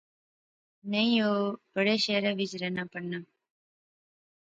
نئیں او بڑے شہرے وچ رہنا پڑھنا